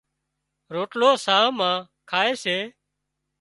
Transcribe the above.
روٽلو ساهَه مان کائي سي